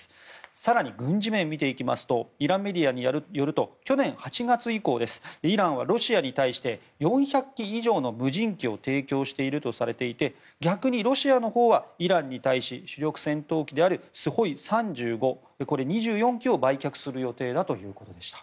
更に軍事面を見ていきますとイランメディアによると去年８月以降イランはロシアに対して４００機以上の無人機を提供しているとされており逆にロシアのほうはイランに対し、主力戦闘機であるＳＵ３５、２４機を売却する予定だということでした。